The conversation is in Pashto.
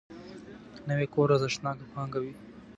نوی کور ارزښتناک پانګه وي